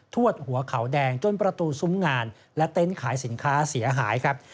วดหัวเขาแดงจนประตูซุ้มงานและเต็นต์ขายสินค้าเสียหายครับ